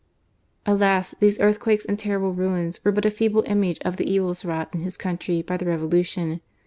Alas ! these earthquakes and terrible ruins were but a feeble image of the evils wrought in his country by the Revolution.